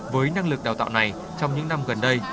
với năng lực đào tạo này trong những năm gần đây